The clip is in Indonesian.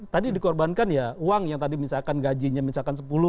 tadi dikorbankan ya uang yang tadi misalkan gajinya misalkan sepuluh